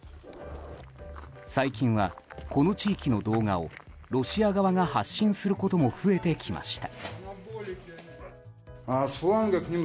最近はこの地域の動画をロシア側が発信することも増えてきました。